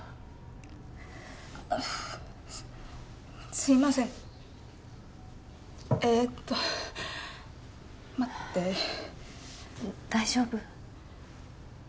すいませんえーっと待って大丈夫？